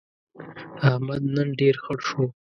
احمد نن ډېر خړ شو.